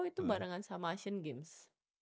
itu barengan sama asian games